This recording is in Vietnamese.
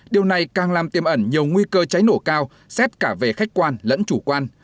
điều này càng làm tiêm ẩn nhiều nguy cơ cháy nổ cao xét cả về khách quan lẫn chủ quan